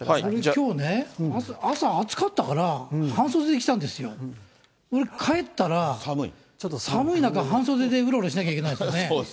きょうね、朝暑かったから、半袖で来たんですよ。これ、帰ったら、寒い中、半袖でうろうろしなきゃいけないですよね。